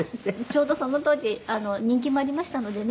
「ちょうどその当時人気もありましたのでね」